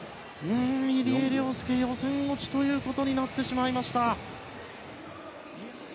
入江陵介予選落ちとなってしまいました。